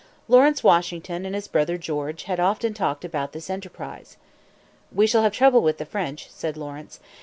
Lawrence Washington and his brother George had often talked about this enterprise. "We shall have trouble with the French," said Lawrence.